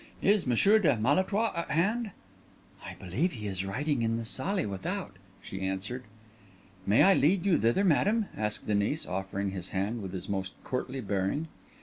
Is Messire de Malétroit at hand?" "I believe he is writing in the salle without," she answered. "May I lead you thither, madam?" asked Denis, offering his hand with his most courtly bearing.